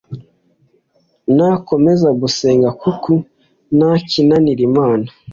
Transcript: nakomeze gusenga kuk ntakinanira imana